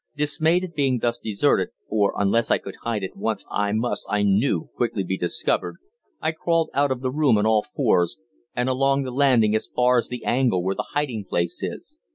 Dismayed at being thus deserted for unless I could hide at once I must, I knew, quickly be discovered I crawled out of the room on all fours, and along the landing as far as the angle where the hiding place is.